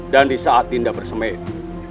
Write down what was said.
dan di saat dinda bersemedi